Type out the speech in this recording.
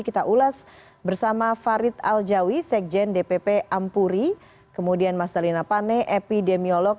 kita ulas bersama farid aljawi sekjen dpp ampuri kemudian mas dalina pane epidemiolog